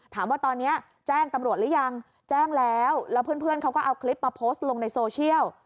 ถามว่าตอนนี้แจ้งตำรวจหรือยังแจ้งแล้วแล้วเพื่อนเขาก็เอาคลิปมาโพสต์ลงในโซเชียล